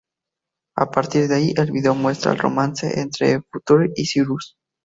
A partir de ahí, el vídeo muestra el romance entre el Future y Cyrus.